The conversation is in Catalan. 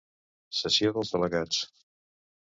Sessió dels delegats.